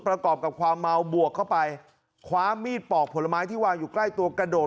ประกอบกับความเมาบวกเข้าไปคว้ามีดปอกผลไม้ที่วางอยู่ใกล้ตัวกระโดด